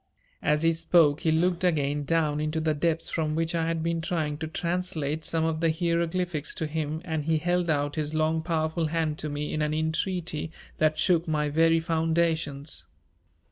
As he spoke he looked again down into the depths from which I had been trying to translate some of the hieroglyphics to him and he held out his long powerful hand to me in an entreaty that shook my very foundations.